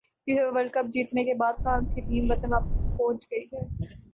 FIFA World Cup جیتنے کے بعد فرانس کی ٹیم وطن واپس پہنچ گئی